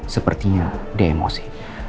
sepertinya dia emosi